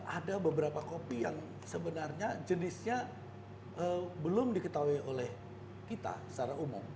ada beberapa kopi yang sebenarnya jenisnya belum diketahui oleh kita secara umum